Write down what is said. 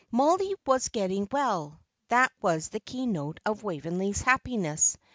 Mollie was getting well that was the key note of Waveney's happiness.